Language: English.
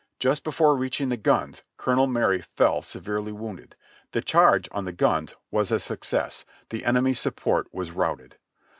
Just before reaching the guns Colonel Marye fell severely wounded. The charge on the guns was a success. The enemy's support was routed.